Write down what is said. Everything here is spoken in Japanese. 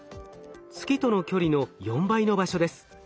月との距離の４倍の場所です。